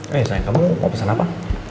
eh sayang kamu mau pesan apa